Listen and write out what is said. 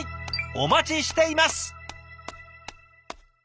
お待ちしています！